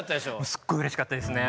すっごいうれしかったですね。